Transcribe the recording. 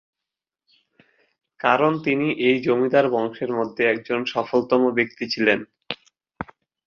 কারণ তিনি এই জমিদার বংশের মধ্যে একজন সফলতম ব্যক্তি ছিলেন।